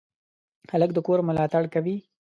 هلک د کور ملاتړ کوي.